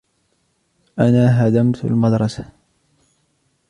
أنا هدمت المدرسة.